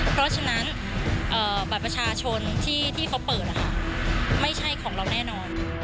เพราะฉะนั้นบัตรประชาชนที่เขาเปิดนะคะไม่ใช่ของเราแน่นอน